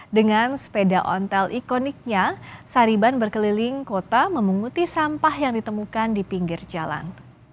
dengan sepeda ontel ikoniknya sariban berkeliling kota memunguti sampah yang ditemukan di pinggir jalan